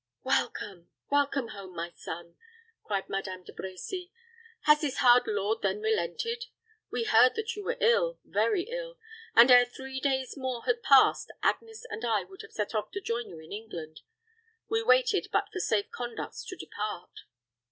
"Welcome welcome home, my son!" cried Madame De Brecy; "has this hard lord then relented? We heard that you were ill very ill; and ere three days more had passed, Agnes and I would have set off to join you in England. We waited but for safe conducts to depart."